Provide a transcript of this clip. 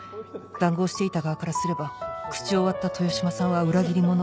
談合していた側からすれば口を割った豊島さんは裏切り者。